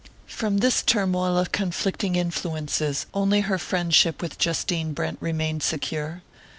From this turmoil of conflicting influences only her friendship with Justine Brent remained secure.